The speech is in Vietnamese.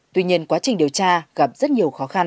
tuy nhiên quá trình điều tra gặp rất nhiều khó khăn